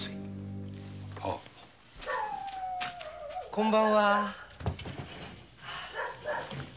こんばんは。